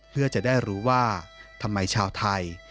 เพื่อจะได้รู้ว่าทำไมชาวไทย